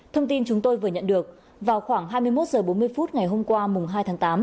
thông tin chúng tôi vừa nhận được vào khoảng hai mươi một h bốn mươi phút ngày hôm qua hai tháng tám